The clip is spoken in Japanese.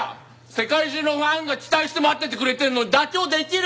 世界中のファンが期待して待っててくれてんのに妥協できる？